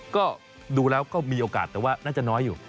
ก็ดูแล้วก็มีโอกาสแต่ว่าน่าจะน้อยอยู่